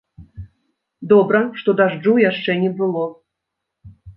Добра, што дажджу яшчэ не было.